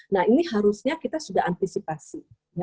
nah ini harusnya kita sudah antisipasi